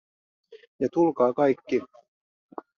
Ja tulkaa kaikki.